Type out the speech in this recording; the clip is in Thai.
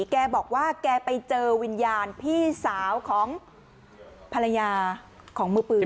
แกบอกว่าแกไปเจอวิญญาณพี่สาวของภรรยาของมือปืน